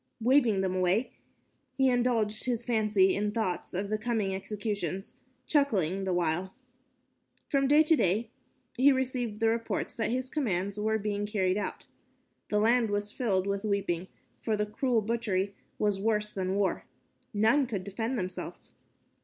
Waving them away, he indulged his fancy in thoughts of the coming executions, chuckling the while. From day to day he received reports that his commands were being carried out. The land was filled with weeping, for the cruel butchery was worse than war. None could defend themselves.